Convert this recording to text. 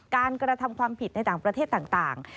กระทำความผิดในต่างประเทศต่าง